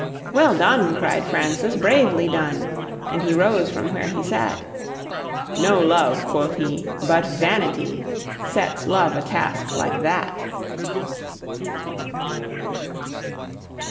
"Well done!" cried Francis, "bravely done!" and he rose from where he sat: "No love," quoth he, "but vanity, sets love a task like that."